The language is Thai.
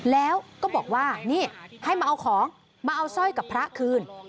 แล้วก็บอกว่านี่ให้มาเอาของมาเอาสร้อยกับพระคืน